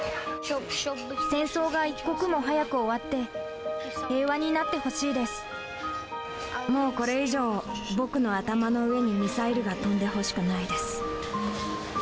戦争が一刻も早く終わって、もうこれ以上、僕の頭の上にミサイルが飛んでほしくないです。